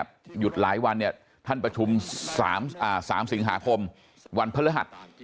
เปิดมาหยุดหลายวันท่านประชุม๓สิงหาคมวันพระละหัศน์